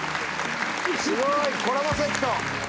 すごい！コラボセット。